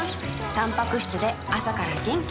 たんぱく質で朝から元気